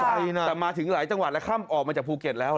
แต่มาถึงหลายจังหวัดแล้วค่ำออกมาจากภูเก็ตแล้ว